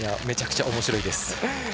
めちゃくちゃおもしろいです。